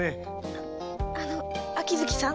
ああの秋月さん。